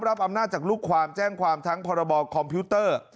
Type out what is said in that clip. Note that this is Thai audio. รับอำนาจจากลูกความแจ้งความทั้งพรบคอมพิวเตอร์